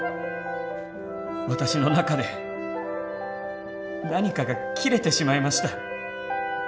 私の中で何かが切れてしまいました。